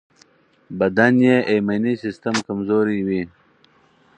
بدن یې ایمني سيستم کمزوری وي.